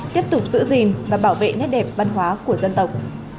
tiếp tục giữ gìn và bảo vệ nét đẹp văn hóa của dân tộc